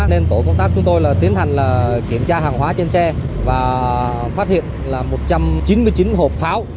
nên tổ công tác chúng tôi là tiến hành kiểm tra hàng hóa trên xe và phát hiện là một trăm chín mươi chín hộp pháo